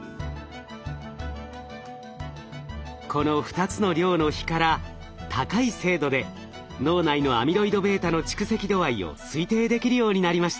この２つの量の比から高い精度で脳内のアミロイドβの蓄積度合いを推定できるようになりました。